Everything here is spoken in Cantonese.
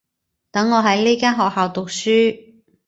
等我喺呢間學校讀書